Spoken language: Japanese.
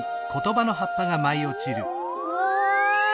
うわ！